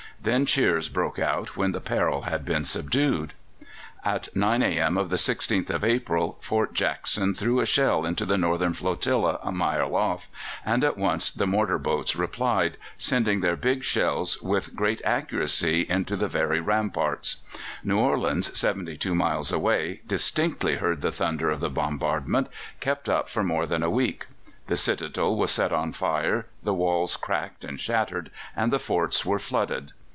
Then cheers broke forth when the peril had been subdued. At 9 a.m. of the 16th of April Fort Jackson threw a shell into the Northern flotilla a mile off, and at once the mortar boats replied, sending their big shells with great accuracy into the very ramparts. New Orleans, seventy two miles away, distinctly heard the thunder of the bombardment, kept up for more than a week. The citadel was set on fire, the walls cracked and shattered, and the forts were flooded.